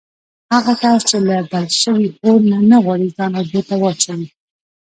هغه کس چې له بل شوي اور نه غواړي ځان اوبو ته واچوي.